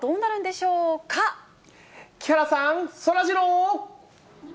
木原さん、そらジロー。